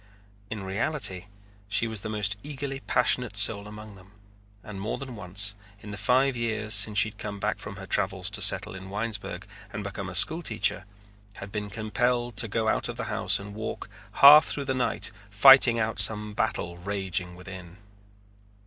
In reality she was the most eagerly passionate soul among them, and more than once, in the five years since she had come back from her travels to settle in Winesburg and become a school teacher, had been compelled to go out of the house and walk half through the night fighting out some battle raging within.